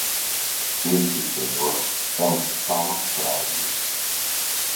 Este senhor é um salafrário!